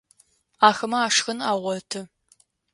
Ахэмэ ашхын агъоты.